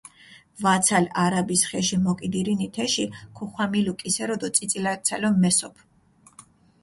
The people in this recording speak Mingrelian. ვაცალ არაბის ხეში მოკიდირინი თეში, ქუხვამილუ კისერო დო წიწილაცალო მესოფჷ.